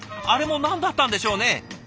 あれも何だったんでしょうね。